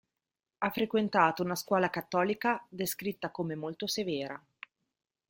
Ha frequentato una scuola cattolica descritta come molto severa.